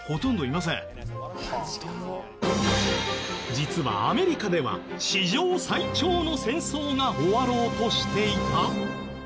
実はアメリカでは史上最長の戦争が終わろうとしていた？